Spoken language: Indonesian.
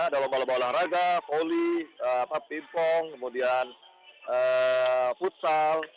ada lomba lomba olahraga poli pimpong kemudian futsal